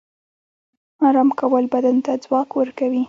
آرام کول بدن ته ځواک ورکوي